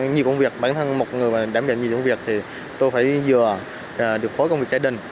nhiều công việc bản thân một người đảm nhận nhiều công việc thì tôi phải dừa điều phối công việc gia đình